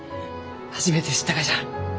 初めて知ったがじゃ。